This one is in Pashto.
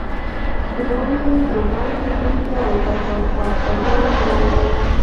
نوموړی یې د مرګ تر بریده وځپه خو هسپانیا هیله لرله.